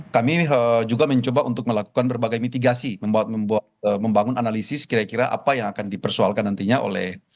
kami juga mencoba untuk melakukan berbagai mitigasi membangun analisis kira kira apa yang akan dipersoalkan nantinya oleh